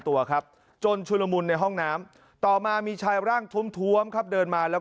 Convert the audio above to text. ตัวครับจนชุลมุนในห้องน้ำต่อมามีชายร่างท้วมครับเดินมาแล้ว